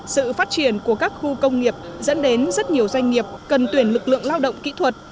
sự phát triển của các khu công nghiệp dẫn đến rất nhiều doanh nghiệp cần tuyển lực lượng lao động kỹ thuật